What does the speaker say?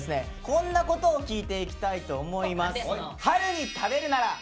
こんなことを聞いていきたいと思います。